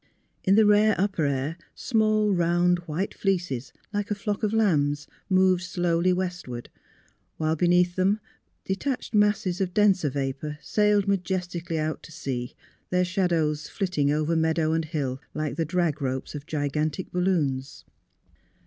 In the rare upper air small, round, white fleeces, like a flock of lambs, moved slowly westward; while beneath them detached masses of denser vapour sailed majestically out to sea, their shad ows flitting over meadow and hill like the drag ropes of gigantic balloons.